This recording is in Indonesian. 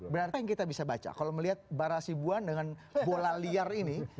berarti yang kita bisa baca kalau melihat bara sibuan dengan bola liar ini